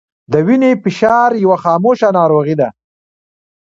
د وینې فشار یوه خاموشه ناروغي ده